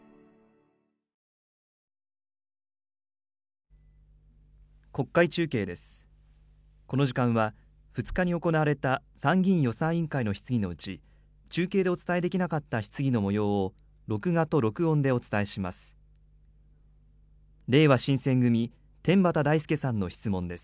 この時間は、２日に行われた参議院の質疑のうち、中継でお伝えできなかった質疑のもようを録画と録音でお伝えします。